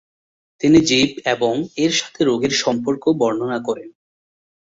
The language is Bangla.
তিনি জীব এবং এর সাথে রোগের সম্পর্ক বর্ণনা করেন।